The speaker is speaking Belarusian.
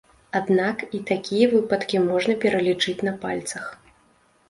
Аднак і такія выпадкі можна пералічыць на пальцах.